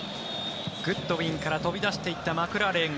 グッドウィンから飛び出していったマクラーレン。